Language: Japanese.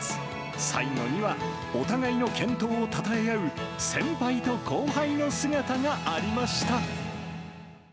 最後にはお互いの健闘をたたえ合う先輩と後輩の姿がありました。